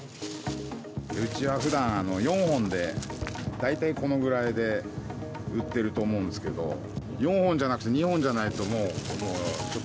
うちは普段４本で大体このくらいで売っていると思うんですけど４本じゃなくて２本じゃないと。